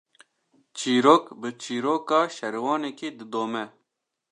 Çîrok, bi çîroka şervanekî didome